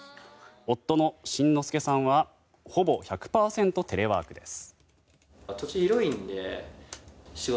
夫の新之助さんはほぼ１００％テレワークです。